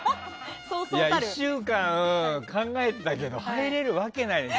１週間考えたけど入れるわけない。